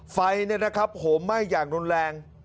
ประเทศกามพูชาไฟหม่ายอยากโน่นแรง